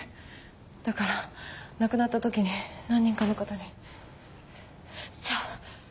だから亡くなった時に何人かの方に。えじゃあ。